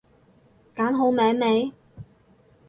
揀好名未？